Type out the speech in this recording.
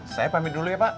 saya pamit dulu ya pak